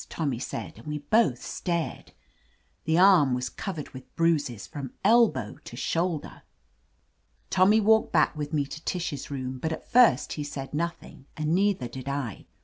Tommy said, and we both stared. The arm was covered with bruises from elbow to shoulder! Tommy walked back with me to Tish's room, but at first he said nothing, and neither did I.